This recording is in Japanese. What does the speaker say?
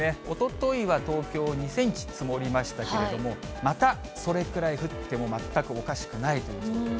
おとといは東京２センチ積もりましたけれども、またそれくらい降っても全くおかしくないということですね。